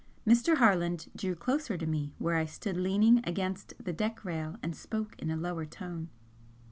Mr. Harland drew closer to me where I stood leaning against the deck rail and spoke in a lower tone.